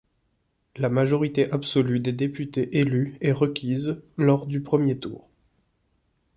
La majorité absolue des députés élus est requise lors du premier tour.